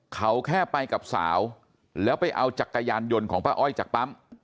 เขาแค่ไปกับสาวแล้วไปเอาจักรยานยนต์ของป้าอ้อยจากปั๊ม